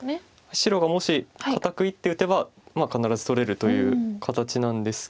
白がもし堅く１手打てば必ず取れるという形なんですけど。